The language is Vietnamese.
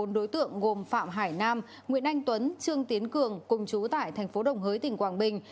bốn đối tượng gồm phạm hải nam nguyễn anh tuấn trương tiến cường cùng chú tại thành phố đồng hới tỉnh quảng bình